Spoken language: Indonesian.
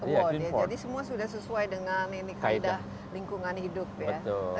jadi semua sudah sesuai dengan ini kaedah lingkungan hidup ya